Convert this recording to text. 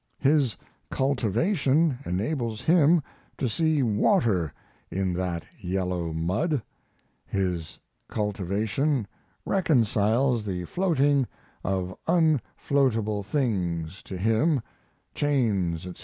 His cultivation enables him to see water in that yellow mud; his cultivation reconciles the floating of unfloatable things to him chains etc.